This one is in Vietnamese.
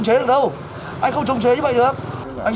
để xuống tập máy đi